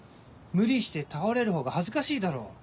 無理して倒れるほうが恥ずかしいだろ。